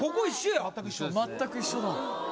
全く一緒だもん